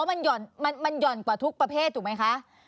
มันหย่อนกว่าทุกประเภทถูกไหมคะ